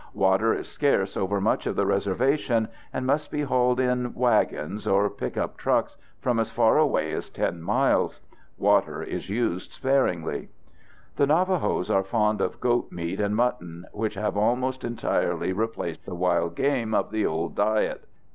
Water is scarce over much of the reservation and must be hauled in wagons or pickup trucks from as far away as 10 miles. Water is used sparingly. The Navajos are fond of goat meat and mutton, which have almost entirely replaced the wild game of the old diet.